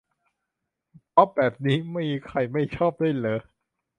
ป๊อปแบบนี้มีใครไม่ชอบด้วยเรอะ